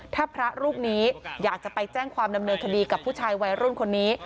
ถ้าพระรูปนี้อยากจะไปแจ้งความดำเนินคดีกับผู้ชายวัยรุ่นคนนี้